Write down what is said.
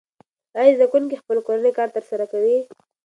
آیا زده کوونکي خپل کورنی کار ترسره کوي؟